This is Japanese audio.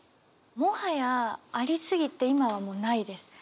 もはやありすぎて今はもうないです。